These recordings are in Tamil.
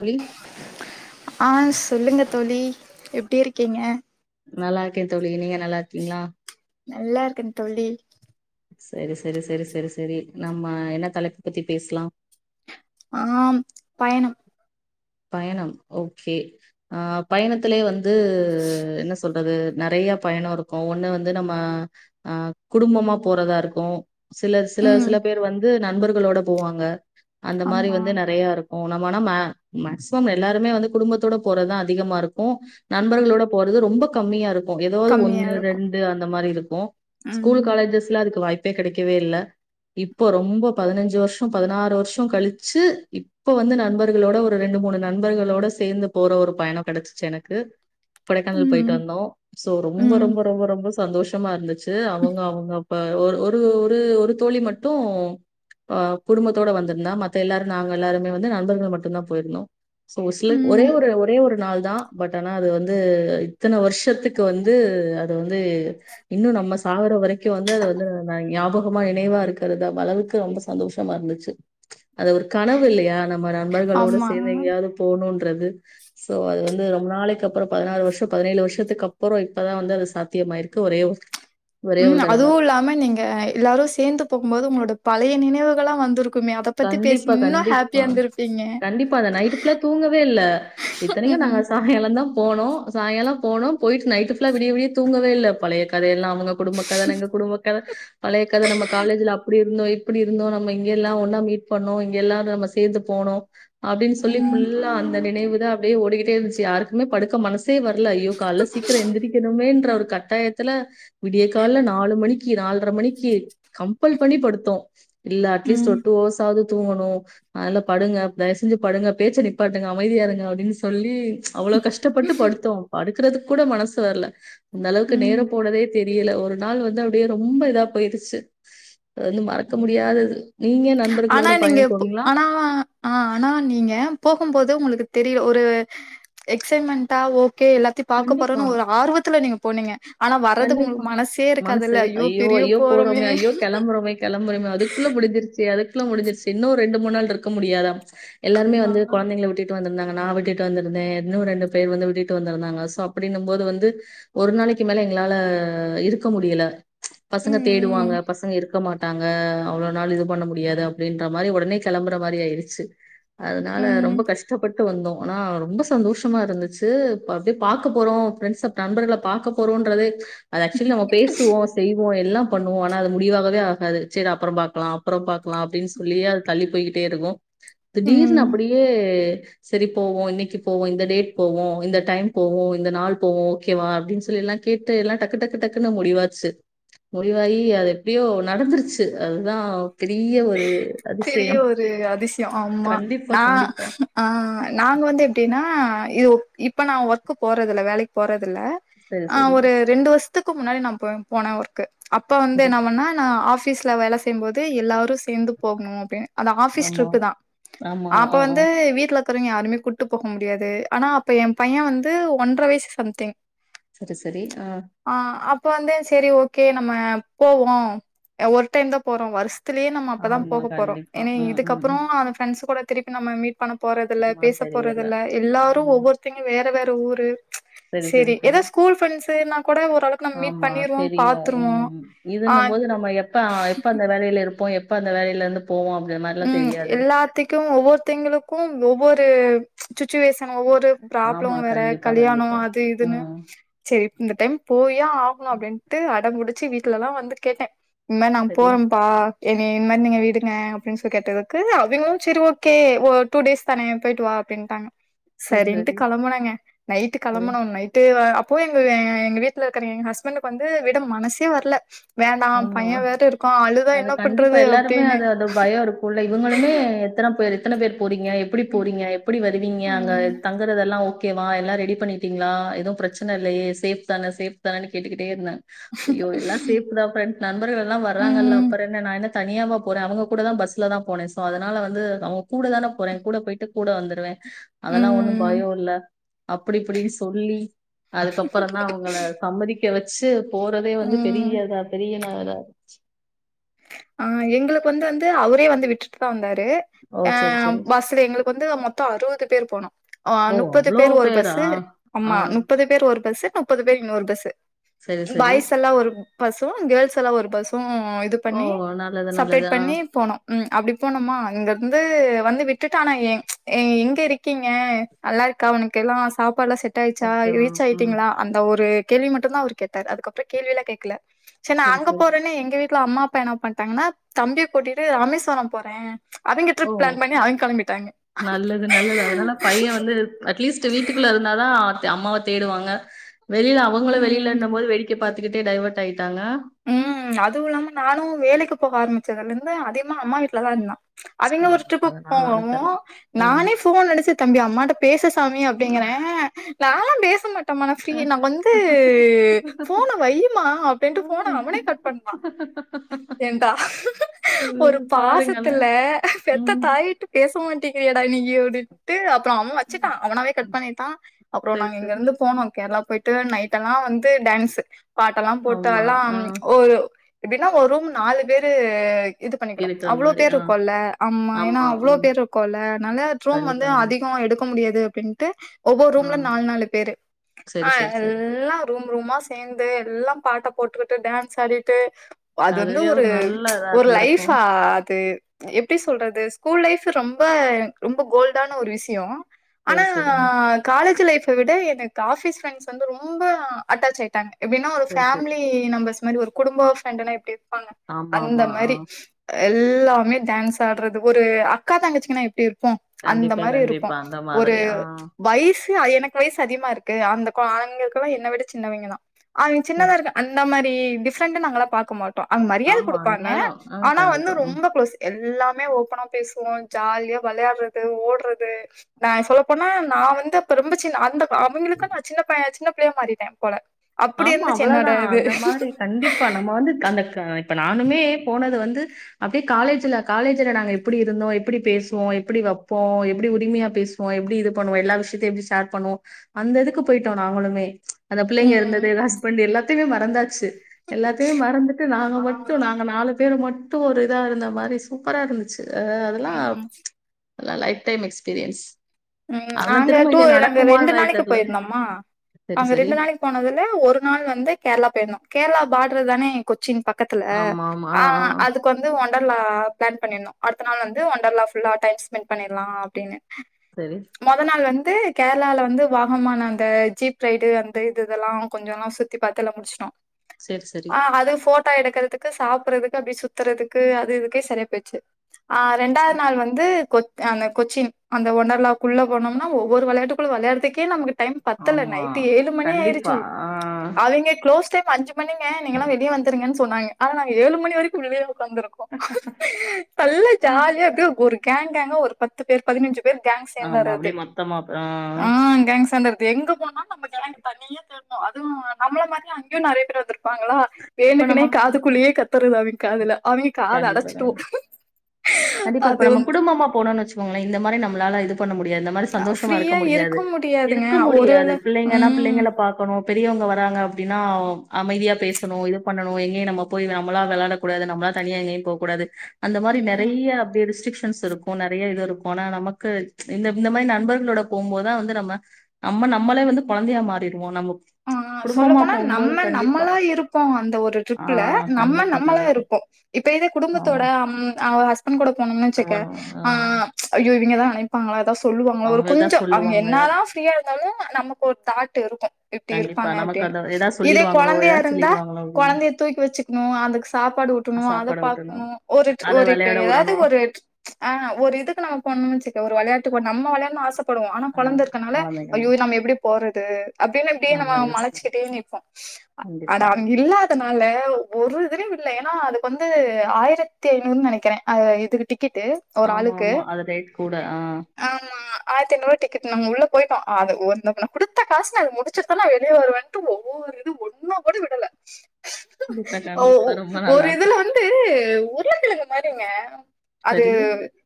தோழி ஆஸ் சொல்லுங்க தோலி எப்டி இருக்கீங்க நல்லா இருக்கேன் தோழி நீங்க நல்லா இருக்கறிங்களா நல்லா இருக்கன் தோழி சரி சரி சரி சரி சரி நம்ம என்ன தலைப்பு பத்தி பேசலாம் ஆஹ் பயணம் பயணம் ஓகே ஆஹ் பயணத்லயே வந்து து என்ன சொ சொல்றது நெறைய பயணம் இருக்கும் ஒண்ணு வந்து நம்ம ஆஹ் குடும்பமா போறதா இருக்கும் சில சில ம் சில பேர் வந்து நண்பர்களோட போவாங்க அந்த மாரி ஆமா வந்து நெறைய இருக் ஓ நம்மனா மே மேக்சிமம் எல்லாருமே வந்து குடும்பத்தோட போறதுதான் அதிகமா இருக்கும் நண்பர்களோட போறது ரொம்ப கம்மியா இருக் கும் ஏதாவது கம்மியா ஒன்னு இருக்கும் ரெண்டு அந்த மாரி இருக்கும் ஸ்கூல் ம் காலேஜஸ்ல அதுக்கு வாய்ப்பு ப்பே கெடைக்கவே இல்ல இப்ப ரொம்ப பதினஞ்சு வருஷம் பதினாறு வருஷம் கழிச்சு இப்ப வந்து நண்பர்களோட ஒரு ஒரு ரெண்டு மூணு நண்பர்களோட சேந்து போற ஒரு பயணம் கெடைச்சுச்சு எனக்கு கொடைக்கானல் போயிட்டு ம் வந்தோம் சோ ரொம்ப ம் ரொம்ப ரொம்ப ரொம்ப சந்தோஷமா இருந்துச்சு [unintelligible] அவுங்க அவுங்க இப்ப ஒரு ஒரு ஒரு ஒரு தோழி மட்டும் குடும்பத்தோட வந்திருந்தா மத்த எல்லாரும் நாங்கள் எல்லாருமே வந்து நண்பர்கள் மட்டும் தான் போயிருந்தோ ஒரு சிலர் ஒரே ம் ஒரு ஒரே ஒரு நாள் தான் பட் ஆனா அது வந்து இத்தன வருஷத்துக்கு வந்து அது வந்து இன்னும் நம்ம சாகற வரைக்கும் வந்து அது வந்து ந ஞாபகமா நினைவா இருக்கிறதுத அளவுக்கு ரொம்ப சந்தோஷமா இருந்துச்சு அது ஒரு கனவு இல்லையா நம்ம நண்பர்களோட ஆமா சேந்து எங்கயாவது போணும் றது சோ அது வந்து ரொம்ப நாளைக்கு அப்புறம் பதினாறு வருஷம் பதினேழு வருஷத்துக்கு அப்புறம் இப்பதான் வந்து அது சாத்தியமாயிருக்கு ஒரே ஒரு ஒரே ஒரு உம் தடவ. அதுவும் இல்லாம நீங்க எல்லாரும் சேந்து போகும்போது உங்களோட பழைய நினை நினைவுகளா வந்துரு கண்டிப்பா கண்டிப்பா இருந்திருப்பீங்க கண்டிப்பா அத நைட் ஃபுல்லா தூங்கவே இல்ல இத்தனைக்கும் ம் நாங்க சாங்யாலம் தான் போனோம் சாங்காலோ போனோம் போய்ட்டு நைட்டு ஃபுல்லா விடிய விடிய தூங்கவே இல்ல பழைய கதையெல்லாம் உங்க குடும்ப கதை எங்க குடும்ப கத பழைய கதை நம்ம காலேஜ்ல அப்டி இருந்தோ எப்டி இருந்தோம் நம்ம இங்கெல்லாம் ஒன்னா மீட் பண்ணோம் இங்க எல்லாரும் நம்ம சேந்து போனோம் அப்டின்னு சொல்லி ம் ஃபுல்லா அந்த நினைவு தான் அப்டியே ஓடிக்கிட்டு டே இருந்துச்சு யாருக்குமே படுக்க மனசே வரல அய்யோ காலேல சீக்கிரம் எந்திரிக்கணுமேன்ற ஒரு கட்டாயத்துல வீடிய கால்ல நாலு மணிக்கி நால்ர மணிக்கி கம்பல் பண்ணி படுத்தோம் இல்ல அட்லீ்ட்ஸ்டு ம் ஒரு டூ அவர்ஸ் ஆவது தூங்கணும் அதுனால படுங்க தயவு செஞ்சு படுங்க பேச்ச நிப்பாட்டுங்க அமைதியா இருங்க அப்டின்னு சொல்லி அவ்வளோ கஷ்டப்பட்டு படுத்தோ படுக்கறதுக் கூட மனசு வர்ல இந்த அளவுக்கு ம் நேரோ போனதேத் தெரியல ஒரு நாள் வந்து அப்டியே ரொம்ப இதா போயிருச்சு அ வந்து மறக்க முடியாதது நீங்க நண்பருக் ஆ நீங்க போ ஆனா அ ஆனா நீங்க போகும்போது இது உங்களுக்கு தெரில ஒரு எக்ஸைன்மெண்டா ஓ கே எல்லாத்தையு கண்டிப்பா, பாக்கபோறேன்னு ஒரு ஆர்வத்துல நீங்க போனீங்க ஆனா வர்றதுக்கு கண்டிப்பா உங்களுக்கு மனசே மனசு இருக்காதுல்ல. ஐயோ பிரிய ஐயோ போறோமே ஐயோ கிளம்புறோமே கிளம்புறோமே அதுக்குள்ள முடிஞ்சிருச்சோ அதுக் க்குள்ள முடிஞ்சிருச்சு இன்னு ஒரு ரெண்டு மூணு நாள்ருக்க முடியாதா எல்லாருமே ஆ. வந்து கொழந்தைங்கள விட்டுட் வந்திருந்தாங்க நான் விட்டுட்டு வந்திருந்தே இன்னு ரெண்டு பேரு வந்து விட்டுட்டு வந்திருந்தாங்க சோ அப்டின்னும் போது வந்து ஒரு நாளைக்கு மேல எங் எங்களால இருக்க முடியல ம்ச் பசங்க ம், ம், தேடுவாங்க பசங்க இருக்க மாட் தாங்க அவ்ளோ நாள் இது பண்ண முடியாது அப்டின்ற மாரி உடனே கெளம்புற மாரி ஆயிடுச்சு அதனால ரொம்ப ம், கஷ்டப்பட் ட்டு வந்தோ ஆனா ரொம்ப சந்தோஷமா இருந்துச்சு ப் அப்டியே பாக்க போறோ ஃபிரண்ட்ஸ் [unintelligible] ண்பர்கள பாக்க போறோன் [unintelligible] அது ஆக்சுவலி நம்ம பேசுவோ செய்வோ எல்லாம் பண்ணுவோ ஆனா அது முடிவாகவே ஆகாது ச்செரி அப்றோ பாக்கலா, அப்றோ பாகக்கலா அப்டின்னு சொல்லியே அது தள்ளி போய்க்கிட்டே இருக்கு திடீர்னு ம். அப்படியே செரி போவோ இன்னைக்கு போவோ இந்த டேட் போவோ இந்த டைம் போவோ இந்த நாள் போவோ ஓகேவா அப்டின்னு சொல்லி எல்லா கேட்டு எல்லா டக்கு டக்கு டக்குன்னு முடிவாச்சு முடிவாயி அது எப்டியோ நடந்துருச்சு அதுதா [unintelligible] பெரிய ஒரு அதிசயோ ஆமா கண்டிப்பா, நா கண்டிப்பா. ஆ நாங்க வந்து எப்டினா [unintelligible] இப்ப நான ஒர்க்கு போறதில்ல வேலைக் போறத் துல்ல சரி, ஆ சரி. ஒரு ரெண்டு வர்ஷ்த்துக் க்கு முன்னாடி நான [unintelligible] போனே ஒர்க்கு அப்ப வந்து சரி என்ன பண்ணா நான ஆஃப் பீஸ்ல வேல செய்யும்போது எல்லாரு ஸ் சேந்து போக்ணு அப்டின்னு அந்த ஆபிஸ் ஆமா ட்ரிப்பு தா ஆமா ஆமா, அப்ப ஆ ஆ வந்து வீட்டுல [unintelligible] யாருமே கூட்டு போக முடியாது ஆனா அப்ப என் பைய வந்து ஒன்ற வயசு சம்திங் சரி சரி ஆ இப்ப வந்து செரி ஓகே நம்ம போவோ ஒரு டைம் தா போறோ வருஷத்திலேன் இப்பதா ஆமா போக போறோ கண்டிப்பா ஏனே ம் ம் இதுக்கப்புறோ ம் அவ ஃபிரண்ட்ஸ் கூட திருப்பி நம மீட் பணம் போறதுல்ல சும்மா பேச தெரியல போறதில்ல எல்லாரு ஒவ்வொருத்தெங்க வேற வேற டூரூ செரி செரி செரி கூட ஓரளவுக்கு நம்ம மீட் ஆமா பண்ணிருவோம், தெரியு பாத்துருவோம். உம் ஆ இதுன்னும் போது நம்ம எப்ப எப்ப அந்த வேலையில இருப்போ எப் ப்ப அந்த வேலையில இருந்து போவோம் அப்படின்ற மாரிலாம் உம் தெரியாது எல்லாத்திக்கு ஒவ்வொருத்தைங்களுக்கு ஒவ்வொரு சுச்சுவேசன் ஒவ்வோர் ட்ரு பிராப்ளோ ஆமா வேற கண்டிப்பா கல்யாணோ கண்டிப்பா அது இதுன்னு ம் சேரி இந்த டைம் போயே ஆகணு அப்டின்ட்டு அட புடி ச்சி வீட்டுல எல்லா வந்து கேட்டே உம்மே நா சரி போறோப்பா என்ன என் மாறி நீங்க விடுங்க ஃபிரண்ட்ஸ்சுக்கு கேட்டதுக்கு அவங்களு செரி ஓகே ஒரு டூ டேஸ் தானே போயிட்டு வா அப்டின்ட்டாங்க சரி சரின்ட்டு சரி களம்புனாங்க நைட்டு சரி களம்பனு நைட்டே வ அ போய் எங் எங்க வீட்டுல இருக்குற எங்க ஹஸ்பண்டுக்கு வந்து விட மனசே வர்ல வேண்டா ஆமா பைய வேற இருக்க அழுதா என்ன பண்றது அப்டின்னு உள்ள இவங்களுமே எத்தனே பேர் எத்தனை பேர் போறீங்க எப்புடி போறீங்க எப்புடி வருவீங்க அங்க ம் தங்குறதெல்லா ஓகே கேவா எல்லா ரெடி பண்ணிட்டீங்களா எதுவு பிரச்சனை இல்லையே சேஃப் தானே சேஃப் தானேனு கேட்டுக்கிட்டே இருந்தே அய்யோ எல்லா சேஃப் ன்த பிரண்ட்ஸ் நண்பர்கள் எல்லா வர்றாங்கல்ல ம் அப்புற என்ன நா என தனியாவா போறே அவங்க கூட தா பஸ்லதா போனே ஸோ அதனால வந்து அவங்க கூட தானே போறே கூட போயிட்டு கூட வந்துருவே அதெல்லா ஒண்ணு ம் பயோ இல்ல அப்டி இப்டின்னு சொல்லி அதுக்கப்புறதா அவங்கள சம்மதிக்க வெச்சு போறதே வந்து ம் பெரியா இதா ஏ நாத அது ஆஹ எங்களுக்கு வந்து வந்து அவரே வந்து விட்டுட்டு தா வந்தாரு ஓ! ட்டு சரி, சரி. அ பஸ்ல எங்களுக் வந்து மொத்த அறுவது பேர் போனோ ஆ ஓ! நுப்பது அவ்ளோ பேர் ஒரு பேரா? பஸ்சு ஆ, ஆமா நுப்பது பேர் ஒரு பஸ்சு முப்பது பேர் இன்னொரு பஸ்சு சரி, சரி. பாய்ஸ் எல்லா ஒரு பஸூ கேல்ஸ் எல்லா ஒரு பஸ் கு இது ஓ! பண்ணி நல்லது, நல்லது. சப்ரேட் ஆ, பண்ணி போனோ ம் அப்டி போணமா அங்கர்ந்து வந்து விட் விட்டு ஆனா ஏங் எங்க இருக்கீங்க நல்லாருக்கா உனக்கெல்லா சாப் ப்பல்லா செட் ஆயிர்ச்சா ஓகே மேம். ரீச் ம். ஆயிட்டீங்ளா அந்த ஒரு கேள்வி மட்டுதா அவுரு கேட்டாரு அதுக்கப்பற கேள்வி எல்லா கேக்குல சே நா சரி, அங்க சரி. போறன்னு எங்க வீட் க்ளா அம்மா அப்பா என பண் தங்னா தம்பிய கூட்டிட்டு ராமேஸ்வர போறே அவிங்க ஒ ட்ரிப் பிளான் பண்ணி அவிங்க கெளம்பிட்டாங்க நல்லது நல்லது அதனால பைய வந்து அட்லீஸ்ட்டு வீட்டுக்குள்ள இருந்தாதா அம்மாவ தேடுவாங்க வெளில அவங்ள ம் வெளில இன்ன மோது வெய் பாத்துக்கிட்டே டைவொட் ஆயிட்டாங்க ம் அதுவு இல்லாம நானு வேலைக்கு போக ஆரமிச்சதுலேந்து அதிக்மா அம்மா வீட்டுலதா இர்ந்தா அவிங்க அ ஒரு ட்ரிப்புக் அதனால ஒண்ணும் போவவு தெர்ல. ம். நானே ஃபோன் அடிச்சு தம்பி அம்மாட்ட பேசு சாமி அப்டிங்கிறே நால பேசமட் டம்மன ஃ ப்ரீ ம். நா வந்து ஃபோன வெய்யிமா அப்டின்ட்டு ஃபோன அவனே கட் பண்ட்டா ஏன்டா ஒரு பாருங்களேன். பாசத்துல பெத்த ம். தாயிட்டு பேச மாட்டீ இருகிரியாடா நீ அப்டின்டு அப்புறோ அவ வெச்சுட்டா அவனாவே கட் பண்ணிட்டா அப்பறோ சரி, நாங்க இங்க சரி. இருந்து போனோ கேரளா போயிட்டு நைட் எல்லா வந்து டேன்ஸ்சு பாட்டு எல்லா போட் ஆமா. இப்பெல்லா ஆ. ஒரு பின்னா வரும் நாலு பேரு இது பண்ணிக்கணு இருக்கிற அவ்வளோ மாரி. பேரு ஆ. இருக்கோல்ல ஆமா ஏன்னா அவ்வளோ பேர் இருக்கோல்ல அதுனால சும்மா கண்டிப்பா, மதிய கண்டிப்பா. அதிகமா எடுக் போ முடியாது அப்டின்ட்டு ஒவ்வொரு ஆ ரூம்ல நாலு நாலு பேரு ஆ சரி, சரி, சரி. எல்லா ரூம் ரூமா சேந்து எல்லா பாட்ட போட்டுகிட்டு டன்ஸ் ஆடிட்டு அது வந்து அதுவே ஒரு நல்ல இதா ஒரு இருந்திருக்கு. லைஃபா அது எப்டி சொல்றது ஸ்கூல் லைஃப் ரொம்ப ரொம்ப கோல்டான ஒரு விஷியோ ஆனா சரி, சரி. ஆ காலேஜ் லைஃப் விட எனக்கு ஆபிஸ் பிரண்ட்ஸ் வந்து ரொம்ப அட்டாச் ஆயிட்டாங்க எப்படினா ஒரு சரி, ஃபம் சரி. நம்பர்ஸ் மாதி ஒரு குடும்ப பிரிண்டுனா எப்டி ப்ப ஆமா, அந்த ஆமா. ஆ மாரி எல்லாமே டான்ஸ் ஆட்றது ஒரு அக்கா தங்கச்சிங்கன்னா எப்படி இரு இருப்போம் அந்த கண்டிப்பா, மாரி இருப்போம் கண்டிப்பா. அந்த ஒரு மாதிரி. ஆ வயசு எனக்கு வயசு அதிகமா இருக்கு அந்த ஆ ஆவணுங்கலா எல்லாம் என்ன விட சின்னவங்கதான் அவங்க சின்னதா சரி. இருக்க அந்த மாரி டிஃப்ரெண்ட் நாங்கலாம் பா்க்க மாட் அங்க மரியாதை ஆமா கொடுப்பாங்க எல்லாரும். ஆ ஆனா வந்து கண்டிப்பா. ம். ரொம்ப கு்ளோஸ் எல் எல்லாமே ஓப்பனா பேசுவோம் ஜாலியா விளையாடுறது ஓடுறது நான் சொல் போனா நான் வந்து அப்ப ரொம்ப சின்ன அந்த அவங்களுக்கும் நான் சின்ன ப சின்ன ப்டே மாறிட்டன் போல அப்புடி இருந்துச்சு என்னோட ந்த மாரி கண்டிப்பா நம்ம வந்து அந்த க ப்ப நானுமே போனது வந்து அப்டே காலேஜ்ல காலேஜ்ல நாங்க எப்புடி இருந்தோம் எப்புடி பேசுவோம் எப்புடி வப்போம் எப்டி உரிமியா பேசுவோம் எப்டி இது பண்ணுவோம் எல்லா விஷ்யத்தியும் எப்டி ஷேர் பண்ணுவோம் அந்ததுக்கு போய்ட்டோம் நாங்களுமே ம் ம் ஸ்பண்ட் எல்லாத்துயுமே மறந்தாச்சு எல்லாத்தயும் மறந்துட்டு நாங்க ஆ. மட்டும் நாங்க நாலு பேரு மட்டு த் ஒரு இதா இருந்த மாரி சூப்பராருந்துச் அ அதலாம் ம். அல்லா லைஃப் டைம் எக்ஸ்பீரியன்ஸ் ம் அதெல்லாம் நாங்க திரும்ப டூ இங்க எல்லாங்க ரெண்டு நடக்குமான்றது நாளைக்கு தெரியல போயிருந்தோம்மா சரி அங்க சரி ரெண்டு நாளைக்கு போனது த ஒரு நாள் வந்து கேர்ளா போயிருந்தோம் கேர்ளா பாட்ரு தானே கொச்சின் பக்கத்துல ஆ அதுக்கு வந்து ஒன் டல்லா பிளான் பண்ணிற்ந்தோம் அடுத்த நாள் வந்து ஒண்டர்லாபுல்லா டைம் ஸ்பென்ட் பண்ணலா அப்டின்னு சரி மொத நாள் வந் து கேர்ளாலால வந்து வாகமான் அந்த ஜீப் ரைடு அந்த இது இதல்லாம் கொஞ்சொலாம் சுத்தி பாத்து எல்லாம் முடிச்டோம் சேர் செரி டா எடுக்குறதுக்கு சாப்றதுக்கு அப்டி சுத்துறதுக்கு அது இதுக்கே சரியா பேயிர்ச்சி ஆ ரெண்டாது நாள் வந்து கொத் அந்த கொச்சின் அந்த ஒண்டர்லா குள்ள போனோம்னா ஒவ்வொரு வெளையாட்டுகுள்ள வெளையாட்றதுக்கே நமக்கு டைம் பத்தல ஆமா நைட்டு ஏலு மணி கண்டிப்பா ஆயிருச்சு அவிங்க க்ளோஸ் டைம் அஞ்சு மணிங்க நீங்கலா வெளிய வந்துருங்கன் சொன்னாங்க ஆனா நாங்க ஏலும்மணி வரைக்கும் உள்ளையே ந்துருக்கோ நல்ல ஆ ஜாலியா அப்டியே ஒரு கேங் கேங்கா ஒருப் பத்துப் பேர் பதினஞ்சுப் பேர் கேங் ஆமா அப்டியே மொத்தமா ஆ [unintelligible] து எங்கப் போனால் நம்ப கேங் தனிய தெர்வும் அது நம்ள மாரியே அங்கியு நறையப் பேர் வந்துருப்பாங்களா இப்ப வேணுக்குனே நம்ம காதுக்குலையே கத்தறது அவிங் காதுல அவிங்க காத கண்டிப்பா அடச்சிட்டுவு கண்டிப்பா கண்டிப்பா இப்ப நம்ம குடும்பமா போனான் வச் ங்கள இந்த மாரி நம்ளால இது பண்ண மு டியாது இந்த மாரி சந்தோஷமா இருக்க ஃப்ரீயா முடியாது முடியாதுங்க. இருக்க ஒரு முடியாது வேள பிள்ளைங்கனா ம். பிள்ளைங்கள பாக்கணு பெரியவங்க வராங்க அப்டினா அமைதியா பேசணு இது பண்ணணு எங்கயு நம்ம போய் நம்மளா வெளாட கூடாது நம்ளா தனியா எங்கயு போ கூடாது அந்த மாரி ந ம். றைய அப்டி ரிஸ்ட்ரிக் ஸ் இருக்கு நறைய இதுருக்கும் ஆனா நமக்கு இந்த மாரி நண்பர்களோட போம்போதுதா வந்து நம்ம நம்ம நம்மளே வந்து கொலந்தையா மாறிறுவோம் நம்ப ஆ சொல்லப்போனா நம்ம நம்மளா இருப்போ அந்த ஒரு ஆ ட்ரிப்ல நம்ம கண்டிப்பா, நம்மளா கண்டிப்பா. இருப்போ இப்ப இத ஆமா. குடும்பத்தோட ஆம் அ ஹஸ் பண் கூட போனோனு வச்சுக்க ஆ அய்யோ இவிங்கதா அழைப்பாங்களா ஏதா சொல்லுவாங்கள ஒரு அவங்க எதா கொஞ்சோ அவங்க சொல்லுவாங்க. எதா என்னதா ஃப்ரீயா இருந்தாலு நமக்கு ஒரு தாட் இருக்கு இப்டி கண்டிப்பா. இருப்பாங்க நமக்கு அப்டினு அத எதா இதே சொல்லிருவாங்களோ, கொழந்தையா எதா இருந்தா சொல்லிருவாங்களோ அப்படின்னு. கொழந்தைய தூக்கி வச்சுக்ணு அதுக்கு சாப்பாடு ஊட்டணு அத சாப்பாட ஊட்டணும். பாக்ணு ஒரு அத ஒரு இப்ப விளையாட ஏதாது விடணும். ஒரு ச் ச் அ ஒரு இதுக்கு நம்ம போனோண் வச்சுக்க ஒரு விளையட்டு போ நம்ம விளையாண் ஆச படுவோ ஆனா ஆ கொழந்த அந்த இருக்கனால குழந்தைங்க ஐயோ நம்ம எப்டி போறது அப்டினு டே நம்ம நம்மள யோசி மளச்சுக்கிட்டே நிப்போ ஆனா கண்டிப்பா. அவங்க இல்லாதனால ஒரு இதுல விடு ல ஏனா அதுக்கு வந்து ஆயிரத்தி ஐநூறுன் நனைக்கிற ஆ இது டிக் கிட்டு ஒரு ஆமா, ஆளுக்கு ஆமா. அது ரேட் கூட. ஆ. ஆமா ஆயிரத்திஐநூறுவா டிக்கெட் நாங்க உள்ள போய்ட்டோ அது ஒரு குடுத்த காசு நாங்க முடிச் உச்சத்தல்லா வெளிய வருவன்ட்டு ஒவ்வொரு இது ஒண்ணு கூட விடல கண்டிப்பா, ஓ கண்டிப்பா. ஓ ரொம்ப நல்லா ஒரு இதுல இருக்கும். வந்து உருளக்கெலங்க மாரிங்க அதூ சரி.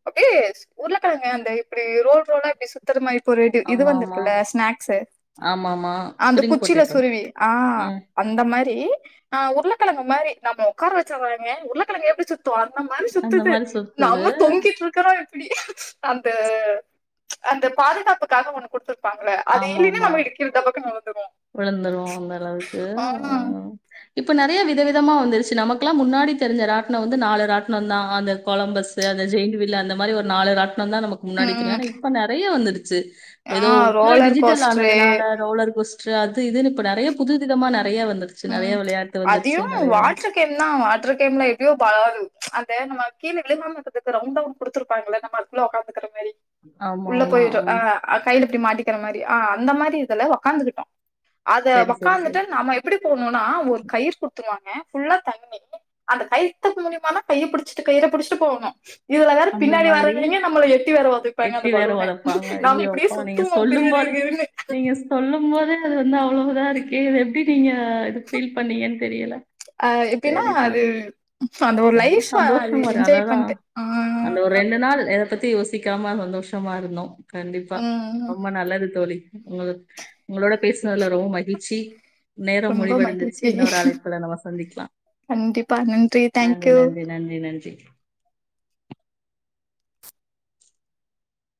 அப்டியே சு உருளகழங்க அந்த இப்டி ரோல் ரோலா இப்டி சுத்தரமாரி ஒரு இது ஆமாமா. வந்துருக்குல்ல ஸ்நக்ஸு ஆமாமா. அந்த ஸ்ப்ரிங் குச்சில பொட்டேட்டோ. சுருவி ஆஹ் ம். அந்த மாரி உருக்கிழங்க மாரி நம்ம உட்கார வெச்சுறாங்க உருக்கிழங்க எப்படி சுத் து அந்த மாரி அந்த சுத்துது மாரி சுத்துது. நம்ம தொங்கிட்டு இருக்கறோ அந்த ப்ச் அந்த பாதுகாப்புக்காக ஒன்னு கொடுத்துரு இருப்பாங்கல்ல அது இல்லினா நம்ம இடுக்கிறத டபக்குனு விழுந்துருவோ விழுந்துரு அந்த அளவுக்கு ஆ ஹ் இப்போ நிறையா வித விதமா வந்துருச்சு நமக்கெல்லா முன்னாடி தெரிஞ்ச ராட்டிணொ வந்து நாலு ராட்டிணொதா அந்த கொலம்பஸ்சு அந்த ஜெயின் வில் அந்த மாரி ஒரு நாலு ராட்- வந்தா நமக்கு முன்னாடி தெரியு ம் ஆனா இப்ப நெறயா வந்துருச்சு சே ஆ எதோ ஃபுல்லா ரோலர் டிஜிட்டல் கோஸ்ட்ரு ஆனதுனால ரோலர் கோஸ் அது இதுன்னு இப்போ நெறயா புது விதமான ம் ச் அதையு நெறைய வாட்ட்ரு கேம்னா வாட்ட்ரு கேம்ல எப்படியோ வராது ப்ச் அந்த நம்ம கீழ விழுகாம இருகிறதுக்கு ரவுண்டா குடுத்துருப்பாங்கல்ல நம்ம அதுகுள்ள உக்காந்துக்கிற மாரி உள்ள ஆமாமா. போயிரு ம். ஆஹ் கைல அப்படி மாட்டிக்கிற மாரி ஆஹ் அந்த மாதிரி இதுல உக்காந்துக்கிட்டோ அத சரி, சரி, உக்காந்துட்டு சரி. நாம எப் ப்டி போணுனா ஒரு கயிறு குடுத்துருவாங்க ஃபுல்லா தண்ணி அந்த கயித்துக்கு மூலியமாதா கையை புடிச்சிட்டு கயிற புடிச்சிட்டு போகணு இதுல வேற அந்த பின்னாடி மாதிரி வர்ரவீங்க நம்மள எட்டி வேற ஒதைப்பாங்க எட்டி அந்த வேற பலூன உதைப்பாங்க நாம ஐயோ இப்படியே அப்பா நீங்க சுத்துவோ கிறு சொல்லும் கிறு‌ கிறுனு து வந்து அவ்ளவுதா இருக்கு எப்டி நீங்க இது ஃபீல் பண்ணீங்கன்னு தெரியல அஹ் எப்படினா சரி அது தோழி அந்த ஒரு ரொம்ப லைஃப் அது சந்தோஷம் வரும் என்ஜாய் அதான் பண்ணிட்டு அந்த ஆஹ் ஒரு ரெண்டு நாள் எப் எத பத்தி யோசிக்காம சந்தோஷமா இருந்தோ கண்டிப்பா ம் ரொம்ப நல்லது தோழி உங்க உங்களோட பேசினதுல ரொம்ப மகிழ்ச்சி நேரம் ரொம்ப முடிவடைந்துச்சு மகிழ்ச்சி இன்னொரு அழைப்புல நம்ம சந்திக்கலா கண்டிப்பா நன்றி தேங்க்யூ நன்றி நன்றி நன்றி